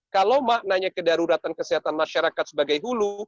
kalau maknanya kedaruratan kesehatan masyarakat sebagai hulu